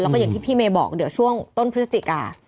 แล้วก็อย่างที่พี่เมย์บอกเดี๋ยวช่วงต้นพฤศจิกา